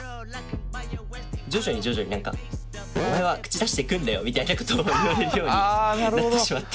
徐々に徐々に「お前は口出してくんなよ」みたいなことを言われるようになってしまって。